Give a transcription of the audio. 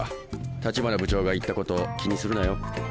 橘部長が言ったこと気にするなよ。